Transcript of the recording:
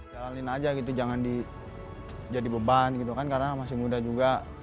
jalanin aja gitu jangan jadi beban gitu kan karena masih muda juga